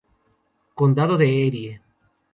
Condado de Erie